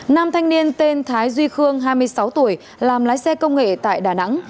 nam thanh niên tên thái duy khương hai mươi sáu tuổi làm lái xe công nghệ tại đà nẵng